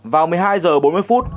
vào một mươi hai h bốn mươi phút